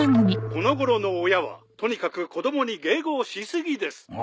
このごろの親はとにかく子供に迎合し過ぎです。